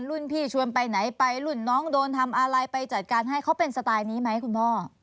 รุ่นพี่ชวนไปไหนไปรุ่นน้องโดนทำอะไรไปจัดการให้เขาเป็นสไตล์นี้ไหมคุณพ่อ